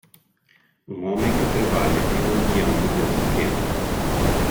Um homem que trabalha em um avião modelo pequeno.